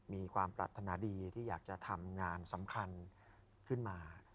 มีความปรารถนาดีที่อยากจะทำงานสำคัญขึ้นมา